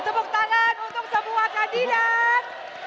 tepuk tangan untuk semua kandidat